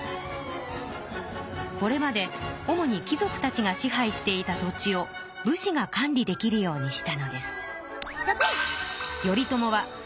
これまで主にき族たちが支配していた土地を武士が管理できるようにしたのです。